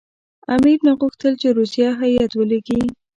امیر نه غوښتل چې روسیه هېئت ولېږي.